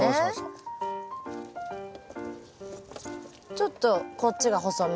ちょっとこっちが細め。